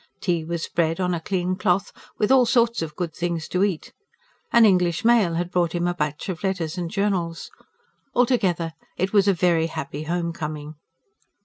Tea was spread, on a clean cloth, with all sorts of good things to eat; an English mail had brought him a batch of letters and journals. Altogether it was a very happy home coming.